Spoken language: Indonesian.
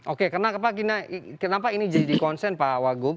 oke kenapa ini jadi konsen pak wagub